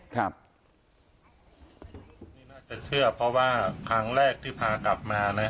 ครับนี่น่าจะเชื่อเพราะว่าครั้งแรกที่พากลับมานะ